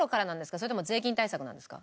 それとも税金対策なんですか？